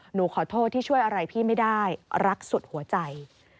หนูขอโทษที่ช่วยอะไรพี่ไม่ได้รักสุดหัวใจ